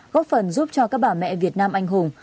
góp phần giúp cho các bà mẹ việt nam anh hùng